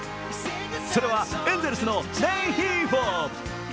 それはエンゼルスのレンヒーフォ。